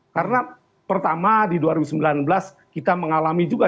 karena pertama di dua ribu sembilan belas kita mengalami juga